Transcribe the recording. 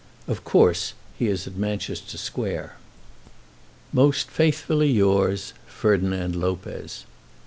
Of course he is at Manchester Square. Most faithfully yours, FERDINAND LOPEZ.